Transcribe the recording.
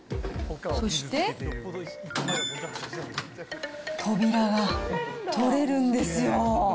そして、扉が取れるんですよ。